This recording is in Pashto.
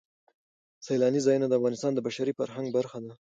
سیلاني ځایونه د افغانستان د بشري فرهنګ برخه ده.